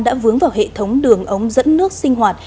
đã vướng vào hệ thống đường ống dẫn nước sinh hoạt